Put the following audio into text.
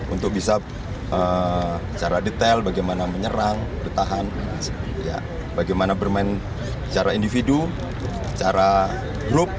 untuk bisa secara detail bagaimana menyerang bertahan bagaimana bermain secara individu secara grup